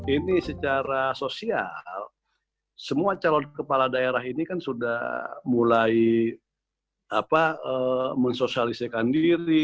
ini secara sosial semua calon kepala daerah ini kan sudah mulai mensosialisakan diri